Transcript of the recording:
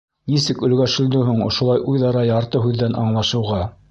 — Нисек өлгәшелде һуң ошолай үҙ-ара ярты һүҙҙән аңлашыуға?